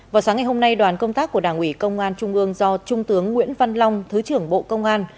vào sáng ngày hôm nay đoàn công tác của đảng ủy công an trung ương do trung tướng nguyễn văn long thứ trưởng bộ công an